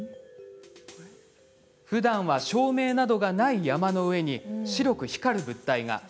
ふだんは照明などがない山の上に白く光る物体が。